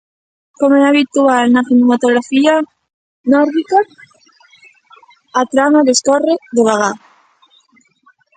Como é habitual na cinematografía nórdica, a trama descorre devagar.